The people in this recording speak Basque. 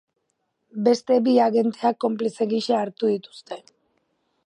Beste bi agenteak konplize gisa hartu dituzte.